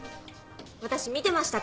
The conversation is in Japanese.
私見てましたから。